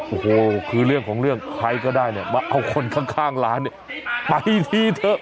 โอ้โหคือเรื่องของเรื่องใครก็ได้เนี่ยมาเอาคนข้างร้านเนี่ยไปทีเถอะ